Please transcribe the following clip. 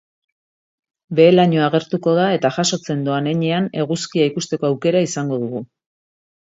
Behe-lainoa agertuko da eta jasotzen doan heinean eguzkia ikustekoaukera izango dugu.